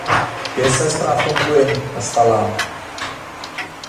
— Пеш сай справкым пуэн! — ышталам.